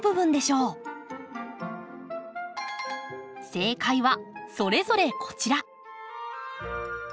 正解はそれぞれこちら。